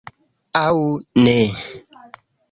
Aŭ ne?